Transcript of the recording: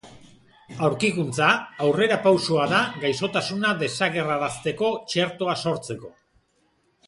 Aurkikuntza aurrerapausoa da gaixotasuna desagerrarazteko txertoa sortzeko.